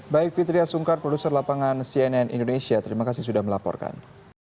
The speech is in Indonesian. baik fitriah sungkar produser lapangan cnn indonesia terima kasih sudah melaporkan